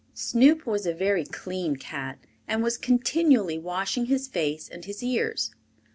Snoop was a very clean cat and was continually washing his face and his ears.